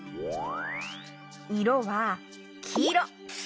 いろはきいろ。